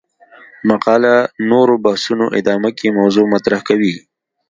مقاله نورو بحثونو ادامه کې موضوع مطرح کوي.